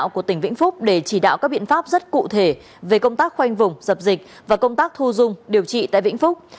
của tỉnh vĩnh phúc để chỉ đạo các biện pháp rất cụ thể về công tác khoanh vùng dập dịch và công tác thu dung điều trị tại vĩnh phúc